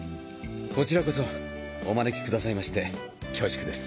こちらこそお招きくださいまして恐縮です。